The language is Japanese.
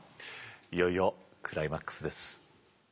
いよいよクライマックスです。